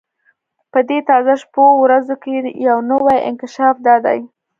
په دې تازه شپو ورځو کې یو نوی انکشاف دا دی.